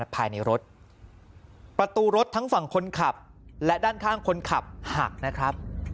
ภายในรถประตูรถทั้งฝั่งคนขับและด้านข้างคนขับหักนะครับ